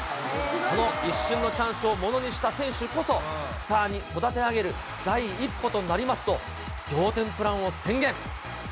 その一瞬のチャンスをものにした選手こそ、スターに育て上げる第一歩となりますと、仰天プランを宣言。